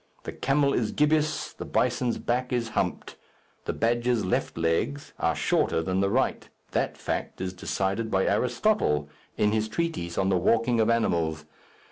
The camel is gibbous. The bison's back is humped. The badger's left legs are shorter than the right, That fact is decided by Aristotle, in his treatise on the walking of animals.